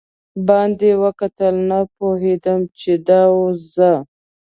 باندې وکتل، نه پوهېدم چې دا اوس زه.